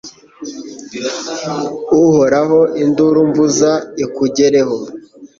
Uhoraho induru mvuza ikugereho